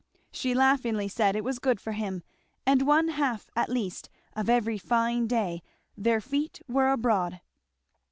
She laughingly said it was good for him; and one half at least of every fine day their feet were abroad.